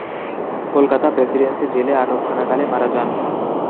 Kolkata Presidency জেলে আটক থাকাকালে মারা যান।